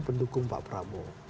pendukung pak prabowo